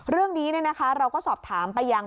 เรื่องนี้เราก็สอบถามไปยัง